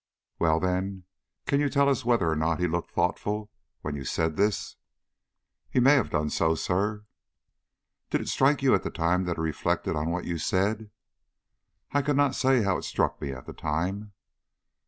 "Well, then, can you tell us whether or not he looked thoughtful when you said this?" "He may have done so, sir." "Did it strike you at the time that he reflected on what you said?" "I cannot say how it struck me at the time."